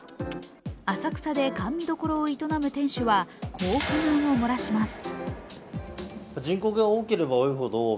浅草で甘味どころを営む店主はこう不満を漏らします。